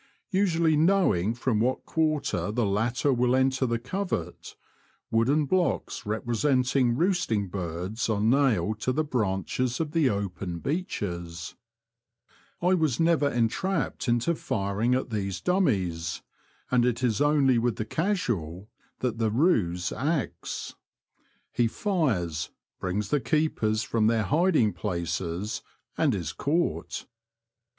Usually knowing from what quarter the latter will enter the covert, wooden blocks representing roosting birds are nailed to the branches of the open beeches. I was The Confessions of a Poacher. 83 never entrapped into firing at these dummies, and it is only with the casual that the ruse acts. He fires, brings the keepers from their hiding places, and is caught.